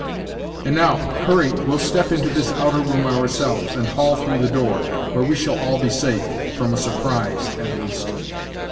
And now, Hurry, we'll step into this outer room ourselves, and haul through the door, where we shall all be safe, from a surprise, at least.